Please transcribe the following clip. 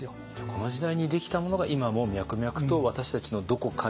この時代にできたものが今も脈々と私たちのどこかに。